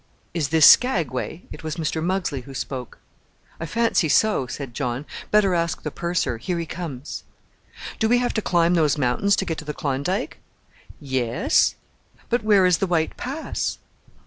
"Is this Skagway?" It was Mr. Muggsley who spoke. "I fancy so," said John; "better ask the purser here he comes." "Do we have to climb those mountains to get to the Klondike?" "Yes." "But where is the White Pass?"